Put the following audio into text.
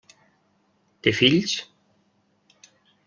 Té fills?